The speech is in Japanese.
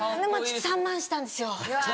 ３万したんですよ。